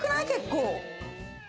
結構。